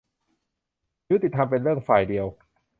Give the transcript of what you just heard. ยุติธรรมเป็นเรื่องฝ่ายเดียว ?